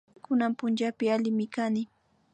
Kunan punllapi allimi kani